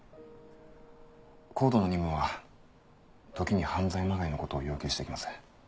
ＣＯＤＥの任務は時に犯罪まがいのことを要求してきます。